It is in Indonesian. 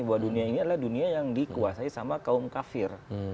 bahwa dunia ini adalah dunia yang dikuasai sama kaum kafir